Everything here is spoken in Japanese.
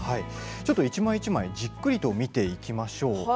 一枚一枚じっくりと見ていきましょう。